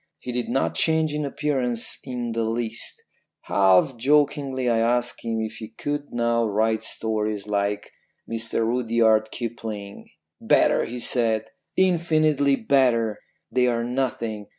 He did not change in appearance in the least. Half jokingly I asked him if he could now write stories like Mr Rudyard Kipling. "'Better,' he said, 'infinitely better. They are nothing.